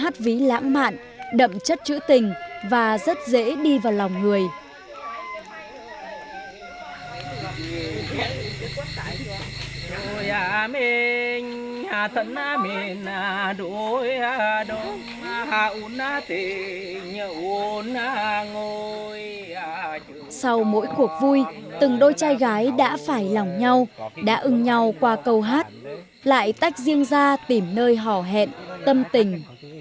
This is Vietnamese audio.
sau mỗi cuộc vui từng đôi trai gái đã phải lòng nhau đã ưng nhau qua câu hát lại tách riêng ra tìm nơi họ hẹn tâm tình